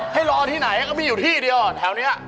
ให้รอที่ไหนก็มีอยู่ที่เดียวแถวนี้